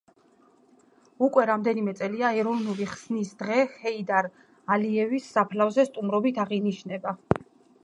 უკვე რამდენიმე წელია ეროვნული ხსნის დღე ჰეიდარ ალიევის საფლავზე სტუმრობით აღინიშნება.